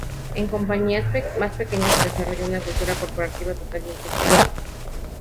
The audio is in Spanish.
En compañías más pequeñas, se desarrolló una cultura corporativa totalmente diferente.